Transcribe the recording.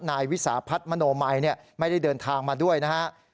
นายวิสาพัฒน์มโนมัยไม่ได้เดินทางมาด้วยนะครับ